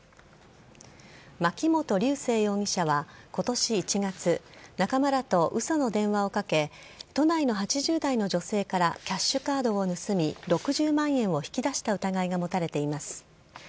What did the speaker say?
槇本龍成容疑者は今年１月仲間らと嘘の電話をかけ都内の８０代の女性からキャッシュカードを盗み６０万円を引き出した疑いが持たれています。